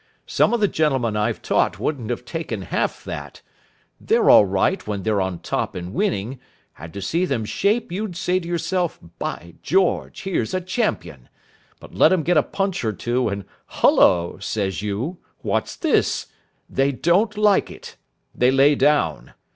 Some of the gentlemen I've taught wouldn't have taken half that. They're all right when they're on top and winning, and to see them shape you'd say to yourself, By George, here's a champion. But let 'em get a punch or two, and hullo! says you, what's this? They don't like it. They lay down.